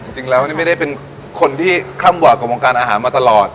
จริงแล้วนี่ไม่ได้เป็นคนที่ค่ำหวาดกับวงการอาหารมาตลอด